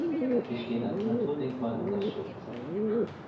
Sie stehen als Naturdenkmal unter Schutz.